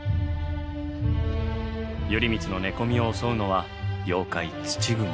頼光の寝込みを襲うのは妖怪土蜘蛛。